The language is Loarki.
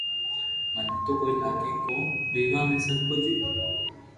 مني تو ڪوئي لاگي ڪو ويووا ۾ سب ڪجھ